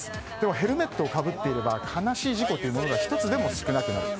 ヘルメットをかぶっていれば悲しい事故が１つでも少なくなる。